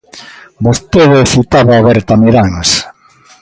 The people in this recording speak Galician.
Vostede citaba Bertamiráns.